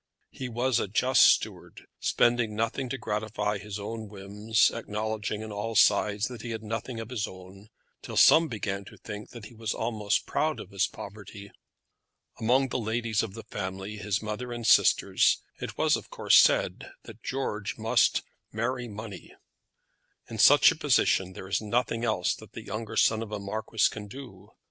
He was a just steward, spending nothing to gratify his own whims, acknowledging on all sides that he had nothing of his own, till some began to think that he was almost proud of his poverty. Among the ladies of the family, his mother and sisters, it was of course said that George must marry money. In such a position there is nothing else that the younger son of a marquis can do.